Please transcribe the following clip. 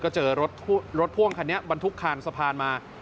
ก็เจอรถพ่วงคันนี้บรรทุกคานสะพานมา